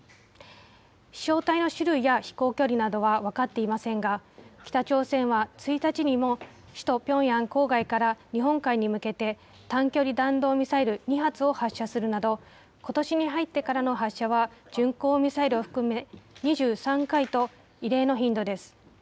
飛しょう体の種類や飛行距離などは分かっていませんが、北朝鮮は１日にも首都ピョンヤン郊外から日本海に向けて、短距離弾道ミサイル２発を発射するなど、ことしに入ってからの発射は巡航ミサイルを含め２３回と、異例の頻度です。